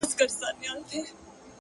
• او که خدای دي په نصیب کړی انسان وي ,